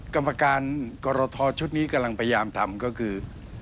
กรรมการกรทชุดนี้กำลังพยายามทำก็คือ